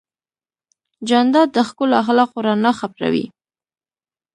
جانداد د ښکلو اخلاقو رڼا خپروي.